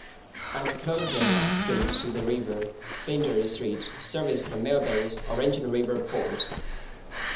As the closest street to the river, Flinders Street serviced Melbourne's original river port.